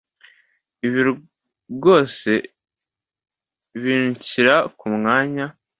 Ibi rwose binshyira kumwanya.